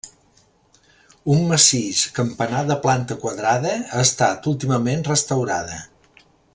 Un massís campanar de planta quadrada ha estat últimament restaurada.